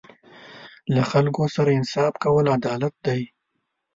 له خلکو سره انصاف کول عدالت دی.